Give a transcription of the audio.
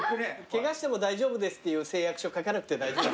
ケガしても大丈夫ですっていう誓約書書かなくて大丈夫？